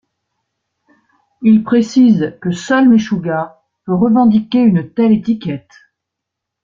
Il précise que seul Meshuggah peut revendiquer une telle étiquette.